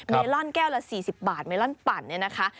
เมลอนแก้วละ๔๐บาทเมลอนปั่นเนี่ยนะคะ